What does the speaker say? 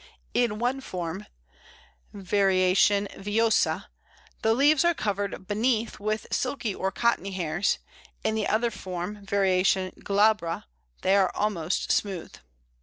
In one form (var. villosa) the leaves are covered beneath with silky or cottony hairs; in the other form (var. glabra) they are almost smooth.